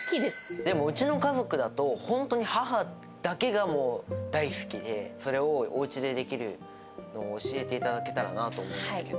でもうちの家族だと、本当に母だけがもう大好きで、それをおうちでできるのを、教えていただけたらなと思うんですけど。